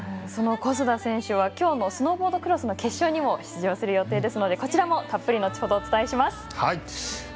小須田選手はきょうのスノーボードクロスの決勝に出場する予定ですのでこちらもたっぷりお伝えします。